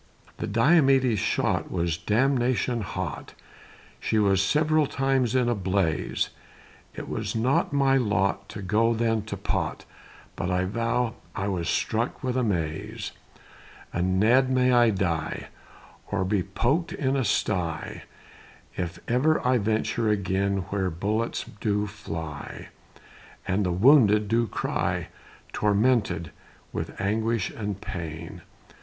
The Diomede's shot Was damnation hot, She was several times in a blaze; It was not my lot To go then to pot, But I veow, I was struck with amaze. And Ned, may I die, Or be pok'd in a sty, If ever I venture again Where bullets do fly, And the wounded do cry, Tormented with anguish and pain.